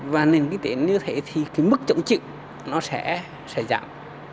và nền kinh tế như thế thì cái mức trọng trị nó sẽ giảm